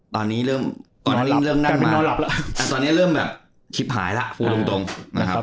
ตอนนี้เริ่มก่อนหน้านี้เริ่มนั่งไม่นอนหลับแล้วแต่ตอนนี้เริ่มแบบคลิปหายแล้วพูดตรงนะครับ